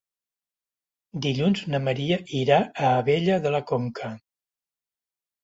Dilluns na Maria irà a Abella de la Conca.